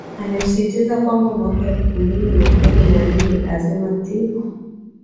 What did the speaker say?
amesisitiza kwamba mwaka elfu mbili na kumi na nne lazima timu